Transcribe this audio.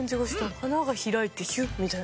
花が開いてヒュッみたいな。